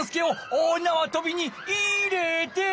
「大なわとびに入れて！」